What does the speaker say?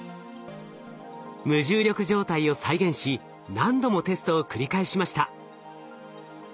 無重力状態を再現し何度もテストを繰り返しました。